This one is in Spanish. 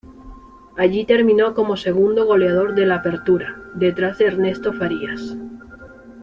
Allí terminó como segundo goleador del Apertura, detrás de Ernesto Farías.